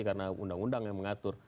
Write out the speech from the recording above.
karena undang undang yang mengatur